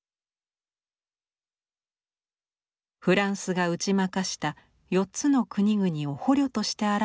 フランスが打ち負かした４つの国々を捕虜として表すブロンズ像。